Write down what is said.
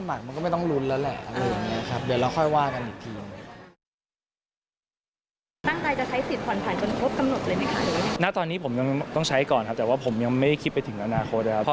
มันก็ไม่ต้องลุ้นแล้วแหละอะไรแบบนี้ครับ